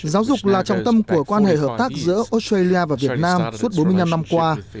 giáo dục là trọng tâm của quan hệ hợp tác giữa australia và việt nam suốt bốn mươi năm năm qua